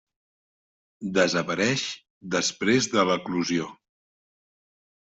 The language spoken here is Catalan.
Desapareix després de l'eclosió.